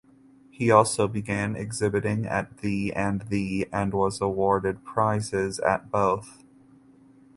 He also began exhibiting at the and the and was awarded prizes at both.